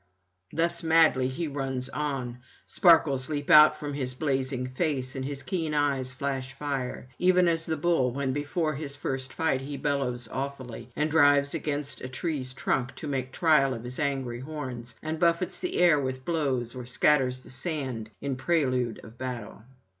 Thus madly he runs on: sparkles leap out from all his blazing face, and his keen eyes flash fire: even as the bull when before his first fight he bellows awfully, and drives against a tree's trunk to make trial of his angry horns, and buffets the air with blows or scatters the sand in prelude of battle.